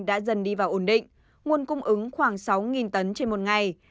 đã dần đi vào ổn định nguồn cung ứng khoảng sáu tấn trên một ngày